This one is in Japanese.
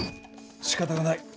しかたがない。